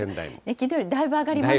きのうよりだいぶ上がりますね。